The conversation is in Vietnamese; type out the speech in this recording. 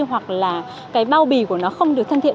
hoặc là cái bao bì của nó không được thân thiện